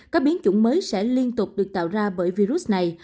các biến chủng mới sẽ liên tục được tạo ra bởi virus này